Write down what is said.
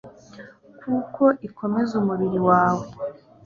kuko ikomeza umubiri wawe